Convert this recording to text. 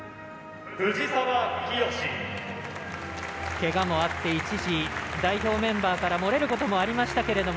けがもあって一時、代表メンバーからもれることもありましたけれども。